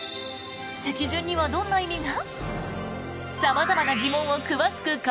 席順にはどんな意味が？